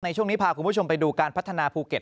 ช่วงนี้พาคุณผู้ชมไปดูการพัฒนาภูเก็ต